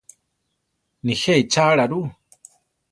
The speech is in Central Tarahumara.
Nijé ichála ru?